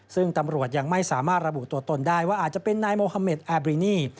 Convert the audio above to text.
ซึ่งตำรวจยังไม่สามารถระบุตัวตนได้ว่าอาจจะเป็นนายโมฮาเมดแอบรินี